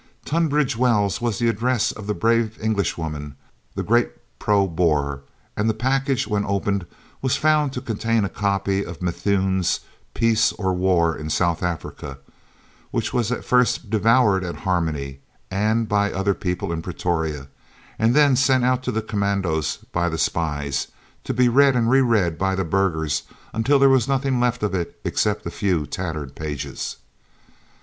Tunbridge Wells was the address of the brave Englishwoman, the great pro Boer, and the package when opened was found to contain a copy of Methuen's Peace or War in South Africa, which was first "devoured" at Harmony and by other people in Pretoria and was then sent out to the commandos by the spies, to be read and reread by the burghers until there was nothing left of it except a few tattered pages.